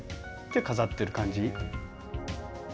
で飾ってる感じ。